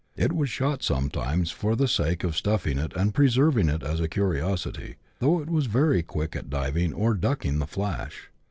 It was shot sometimes for the sake of stuffing it and preserving it as a curiosity, though it was very quick at diving or " ducking the flash."